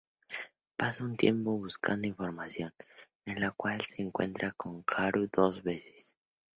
Pasa un tiempo buscando información, en lo cual se encuentra con Haru dos veces.